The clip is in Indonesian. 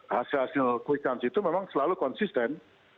hasil hasil kuikon itu memang selalu konsisten